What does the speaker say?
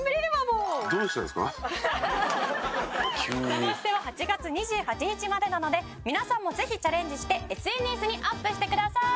「サマステは８月２８日までなので皆さんもぜひチャレンジしてＳＮＳにアップしてください！」